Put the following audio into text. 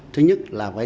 thứ nhất là phải